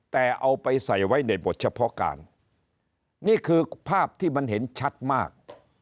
แต่เอาไปใส่ไว้ในบทเฉพาะการนี่คือภาพที่มันเห็นชัดมาก